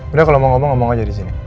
udah kalau mau ngomong ngomong aja disini